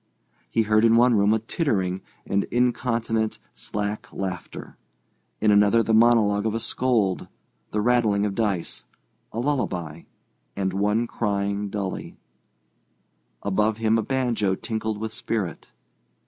He heard in one room a tittering and incontinent, slack laughter; in others the monologue of a scold, the rattling of dice, a lullaby, and one crying dully; above him a banjo tinkled with spirit.